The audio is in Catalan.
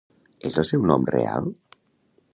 És el seu nom real?